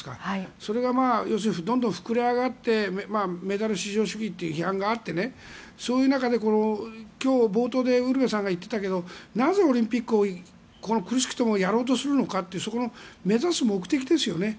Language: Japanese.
それがどんどん膨れ上がってメダル至上主義という批判があってそういう中で今日、冒頭でウルヴェさんが言っていたけどなぜオリンピックを苦しくてもやろうとするのかというそこの目指す目的ですよね。